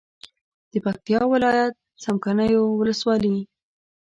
د پکتیا ولایت څمکنیو ولسوالي